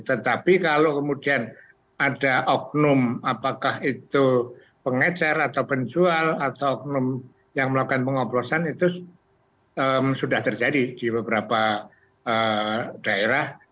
tetapi kalau kemudian ada oknum apakah itu pengecer atau penjual atau oknum yang melakukan pengoplosan itu sudah terjadi di beberapa daerah